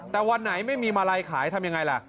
แต่วันไหนไม่มีมาลัยขายทำยังไงล่ะ